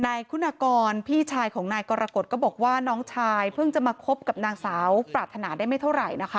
นายคุณกรพี่ชายของนายกรกฎก็บอกว่าน้องชายเพิ่งจะมาคบกับนางสาวปรารถนาได้ไม่เท่าไหร่นะคะ